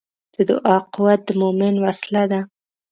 د دعا قوت د مؤمن وسله ده.